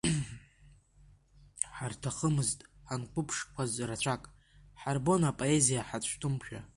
Ҳарҭахымызт ҳанқәыԥшқәаз рацәак, ҳарбон апоезиа ҳацәтәымшәа.